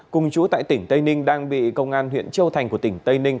cùng chú tại tỉnh tây ninh đang bị công an huyện châu thành của tỉnh tây ninh